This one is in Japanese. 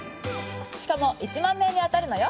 しかも１万名に当たるのよ。